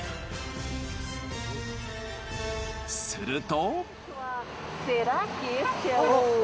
すると。